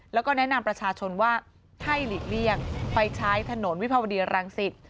แล้วก็แนะนำประชาชนว่าให้หลีกเลี่ยงไปใช้ถนนวิภาวดีรังสิต